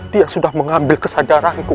dia sudah mengambil kesadaranku